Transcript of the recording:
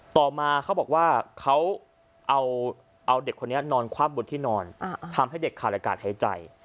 ต่อมาเขาบอกว่าเขาเอาเด็กคนนี้นอนคว่ำบนที่นอนทำให้เด็กขาดอากาศหายใจ